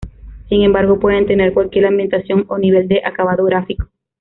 Sin embargo, pueden tener cualquier ambientación o nivel de acabado gráfico.